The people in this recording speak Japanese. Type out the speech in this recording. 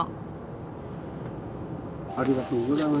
ありがとうございます。